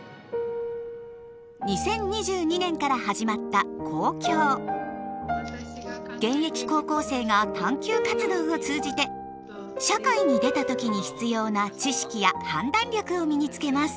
２０２２年から始まった現役高校生が探究活動を通じて社会に出た時に必要な知識や判断力を身につけます。